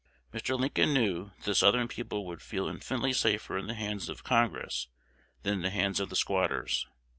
Mr. Lincoln knew that the Southern people would feel infinitely safer in the hands of Congress than in the hands of the squatters.